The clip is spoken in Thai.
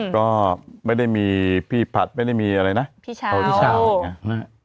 ก็ไม่ได้มีพี่ผัดไม่ได้มีอะไรนะพี่เช้าพี่เช้าอ่ะนะ